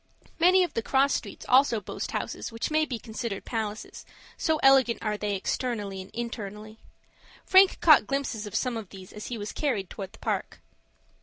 Many of the cross streets also boast houses which may be considered palaces, so elegant are they externally and internally. Frank caught glimpses of some of these as he was carried towards the Park.